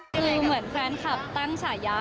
คือเหมือนแฟนคลับตั้งฉายา